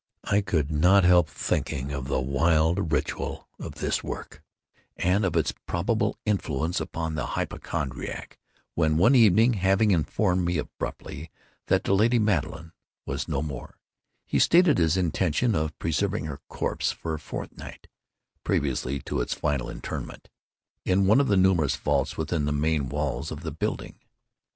I could not help thinking of the wild ritual of this work, and of its probable influence upon the hypochondriac, when, one evening, having informed me abruptly that the lady Madeline was no more, he stated his intention of preserving her corpse for a fortnight, (previously to its final interment,) in one of the numerous vaults within the main walls of the building.